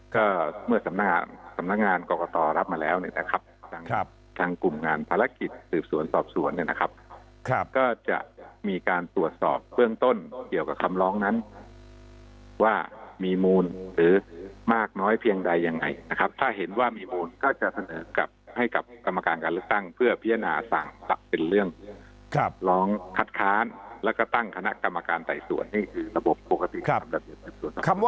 ก็เมื่อสำนักงานสำนักงานกรกตรับมาแล้วเนี่ยนะครับทางกลุ่มงานภารกิจสืบสวนสอบสวนเนี่ยนะครับก็จะมีการตรวจสอบเบื้องต้นเกี่ยวกับคำร้องนั้นว่ามีมูลหรือมากน้อยเพียงใดยังไงนะครับถ้าเห็นว่ามีมูลก็จะเสนอกับให้กับกรรมการการเลือกตั้งเพื่อพิจารณาสั่งเป็นเรื่องร้องคัดค้านแล้วก็ตั้งคณะกรรมการไต่สวนนี่คือระบบปกติสำหรับ